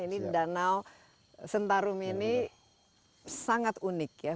ini danau sentarum ini sangat unik ya